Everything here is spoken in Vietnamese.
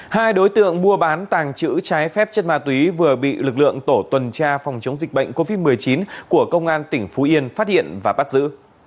hai đối tượng mua bán tàng trữ trái phép chất ma túy vừa bị lực lượng tổ tuần tra phòng chống dịch bệnh covid một mươi chín của công an tỉnh phú yên phát hiện và bắt giữ